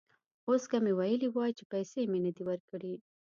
اوس که مې ویلي وای چې پیسې مې نه دي ورکړي.